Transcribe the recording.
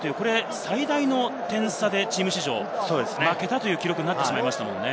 最大の点差でチーム史上負けたという記録になってしまいました。